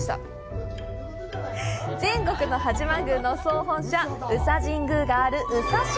全国の八幡宮の総本社宇佐神宮がある宇佐市。